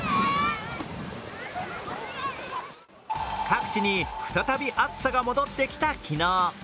各地に再び暑さが戻ってきた昨日。